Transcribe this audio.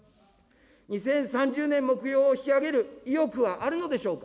２０３０年目標を引き上げる意欲はあるのでしょうか。